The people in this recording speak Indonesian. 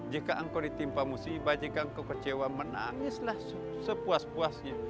jika engkau ditimpa musibah jika engkau kecewa menangislah sepuas puasnya